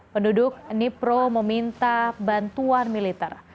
penduduk nipro meminta bantuan militer